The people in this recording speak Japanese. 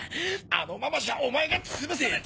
あのままじゃお前がつぶされ。